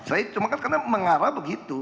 saya cuma kan karena mengarah begitu